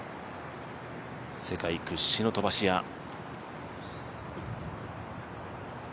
世界屈指の飛ばし屋。